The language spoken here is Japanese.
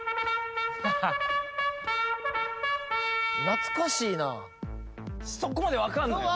懐かしいなそこまで分かんのよ